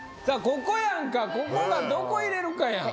ここやんかここがどこ入れるかやん